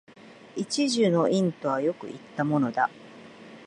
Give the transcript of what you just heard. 一樹の蔭とはよく云ったものだ